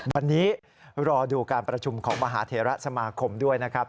วันนี้รอดูการประชุมของมหาเทระสมาคมด้วยนะครับ